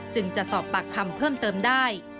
จึงจะสอบปากคำเพิ่มเติมได้